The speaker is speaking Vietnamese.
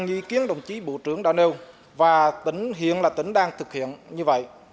như ý kiến đồng chí bộ trưởng đã nêu và tỉnh hiện là tỉnh đang thực hiện như vậy